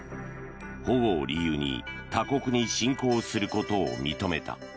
保護を理由に他国に侵攻することを認めた。